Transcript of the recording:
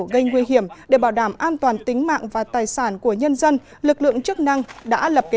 gây nguy hiểm để bảo đảm an toàn tính mạng và tài sản của nhân dân lực lượng chức năng đã lập kế